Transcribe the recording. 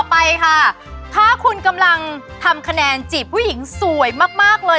ไปค่ะถ้าคุณกำลังทำคะแนนจีบผู้หญิงสวยมากเลย